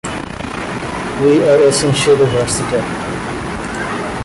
We are essentially versatile.